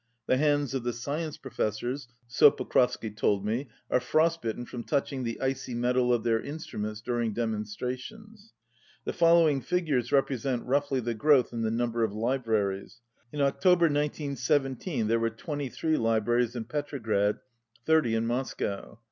The hands of the science pro fessors, so Pokrovsky told me, are frostbitten from touching the icy metal of their instruments during demonstrations. The following figures represent roughly the growth in the number of libraries. In October, igiy, there were 23 libraries in Petrograd, 30 in Moscow.